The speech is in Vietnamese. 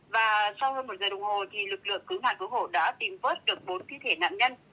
và sau hơn một giờ đồng hồ lực lượng cứu nạn cứu hộ đã tìm vớt được bốn thi thể nạn nhân